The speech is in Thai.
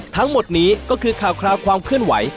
ทั้งหมดนี้ก็คือข่าวคราวความเคลื่อนไหว